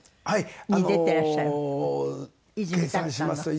はい。